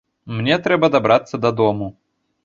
Мне трэба дабрацца дадому!